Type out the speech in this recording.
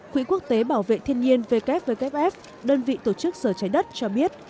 quỹ quốc tế bảo vệ thiên nhiên wwf đơn vị tổ chức giờ trái đất cho biết